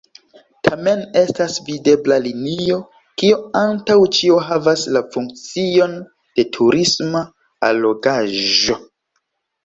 Tamen estas videbla linio, kio antaŭ ĉio havas la funkcion de turisma allogaĵo.